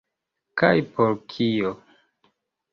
Kaj por kio?